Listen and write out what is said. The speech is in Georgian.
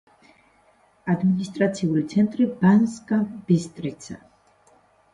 ადმინისტრაციული ცენტრი ბანსკა-ბისტრიცა.